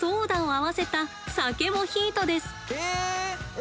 え！